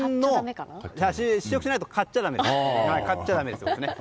試食しないと買っちゃだめですね。